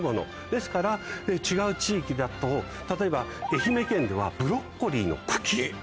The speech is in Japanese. ですから違う地域だと例えば愛媛県ではブロッコリーの茎。